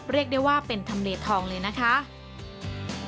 เรียกได้ว่าเป็นทำเลทองเลยนะคะ